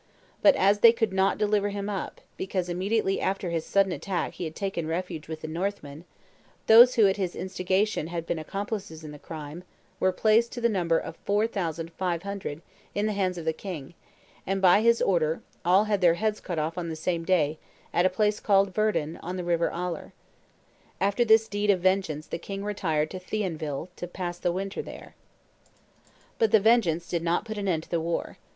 But as they could not deliver him up, because immediately after his sudden attack he had taken refuge with the Northmen, those who, at his instigation, had been accomplices in the crime, were placed, to the number of four thousand five hundred, in the hands of the king; and, by his order, all had their heads cut off the same day, at a place called Werden, on the river Aller. After this deed of vengeance the king retired to Thionville to pass the winter there." [Illustration: A Battle between Franks and Saxons 216] But the vengeance did not put an end to the war.